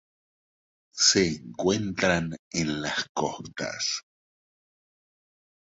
Se encuentran en las costas.